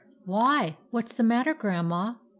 " Why ? What 's the matter, Grandma?